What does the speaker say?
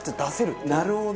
なるほど！